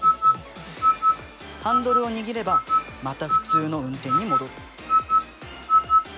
ハンドルを握ればまた普通の運転に戻る。